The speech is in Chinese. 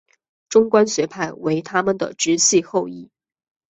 中观学派为他们的直系后裔。